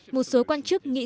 một số quan chức nghĩ rằng